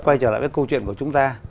quay trở lại với câu chuyện của chúng ta